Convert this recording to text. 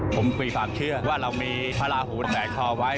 ผมคือฟังเชื่อว่าเรามีภาราหูแสดคอไว้